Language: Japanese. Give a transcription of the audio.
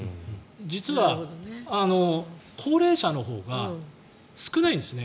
実は高齢者のほうが少ないんですね